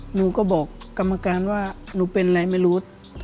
หนูก็บอกกรรมการว่าหนูเป็นอะไรไม่รู้